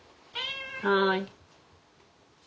はい。